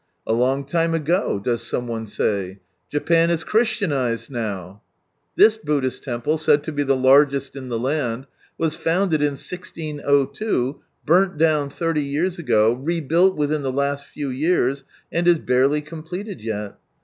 " A long time a|;o !" does some one say ? Japan is Christianized now !" This Buddhist temple, said to be the largest in the land, was founded in i6oz, burnt down thirty years ago, rebuilt within the last few years, and is barely completed yet.